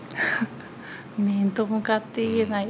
面と向かって言えない。